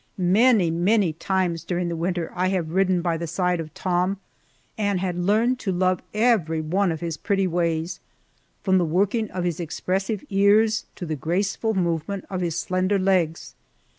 Many, many times during the winter I have ridden by the side of Tom, and had learned to love every one of his pretty ways, from the working of his expressive ears to the graceful movement of his slender legs.